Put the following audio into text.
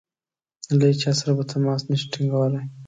له هیچا سره به تماس نه شي ټینګولای.